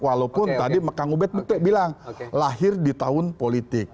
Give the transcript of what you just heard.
walaupun tadi kang ubed bilang lahir di tahun politik